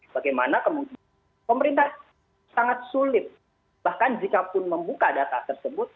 bagaimana kemudian pemerintah sangat sulit bahkan jikapun membuka data tersebut